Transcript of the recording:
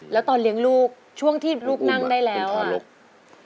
แล้วตอนเลี้ยงลูกช่วงที่ลูกนั่งได้แล้วอ่ะลูก